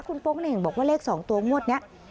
คุณโป๊งเหน่งบอกว่าเลข๒ตัวงวดนี้